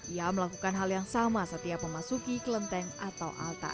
ia melakukan hal yang sama setiap memasuki kelenteng atau altar